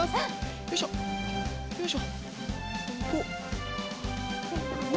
よいしょよいしょおっ。